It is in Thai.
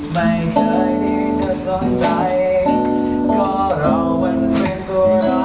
ไม่เคยที่จะสนใจก็เรามันเป็นตัวร้าย